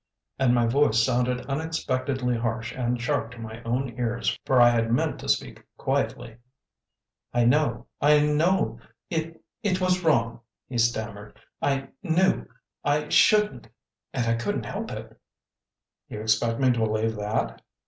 And my voice sounded unexpectedly harsh and sharp to my own ears, for I had meant to speak quietly. "I know I know. It it was wrong," he stammered. "I knew I shouldn't and I couldn't help it." "You expect me to believe that?"